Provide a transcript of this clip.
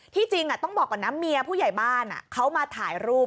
จริงต้องบอกก่อนนะเมียผู้ใหญ่บ้านเขามาถ่ายรูป